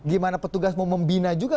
gimana petugas mau membina juga